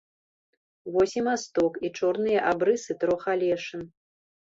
Вось і масток, і чорныя абрысы трох алешын.